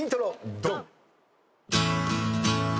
ドン！